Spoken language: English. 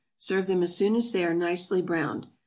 Serve them as soon as they are nicely browned.